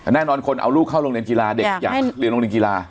แน่นอนคนเอาลูกเข้าโรงเรียนกีฬาเด็กอยากเรียนโรงเรียนกีฬา